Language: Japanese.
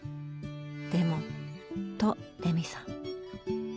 でもとレミさん。